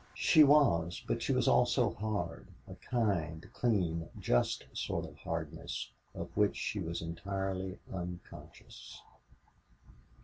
She was, but she was also hard; a kind, clean, just sort of hardness of which she was entirely unconscious.